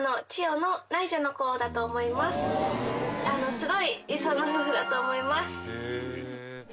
すごい理想の夫婦だと思います。